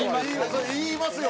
それ言いますよ。